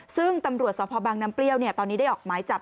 ซึ่งตำรวจสพบังน้ำเปรี้ยวตอนนี้ได้ออกหมายจับ